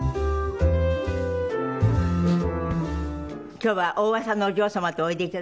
今日はお噂のお嬢様とおいでいただきました。